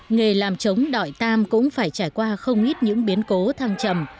nghề làm trống đội tam cũng phải trải qua không ít những biến cố thăng trầm